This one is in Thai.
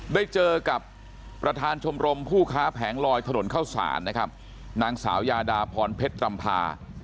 ได้เจอกับประธานชมรมผู้ค้าแผงลอยถนนเข้าศาลนะครับนางสาวยาดาพรเพชรำพา